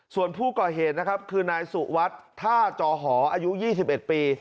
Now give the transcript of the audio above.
ส่วนผู้ก่อเหตุนะครับคือนายสุวัสดิ์ท่าจอหออายุ๒๑ปี